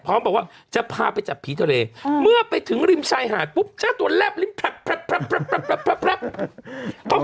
พร้อมบอกว่าจะพาไปจับผีทะเลเมื่อไปถึงริมชายหาดปุ๊บเจ้าตัวแลบลิ้นแพลบ